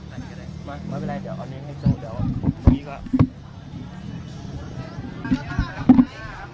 ไม่เป็นไรเดี๋ยวอันนี้ให้โชว์เดี๋ยวตรงนี้ก็ครับ